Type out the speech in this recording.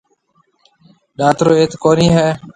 ڏاترو ايٿ ڪونِي هيَ۔